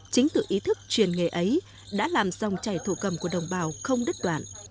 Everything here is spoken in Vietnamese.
chính tự ý thức truyền nghề ấy đã làm dòng chảy thổ cầm của đồng bào không đất đoạn